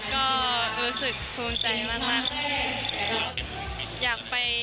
ก็รู้สึกภูมิใจมาก